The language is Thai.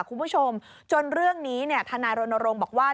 คุณผู้ชมจนเรื่องนี้ธนารณรงค์บอกว่า